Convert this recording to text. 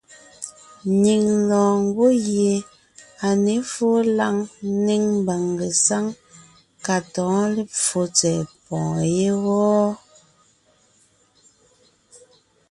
Nyìŋ lɔɔn ngwɔ́ gie à ně fóo lǎŋ ńnéŋ mbàŋ ngesáŋ ka tɔ̌ɔn lepfo tsɛ̀ɛ pɔ̀ɔn yé wɔ́.